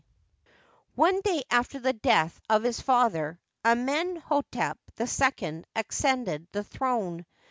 One day after the death of his father, Amenh6tep II ascended the throne.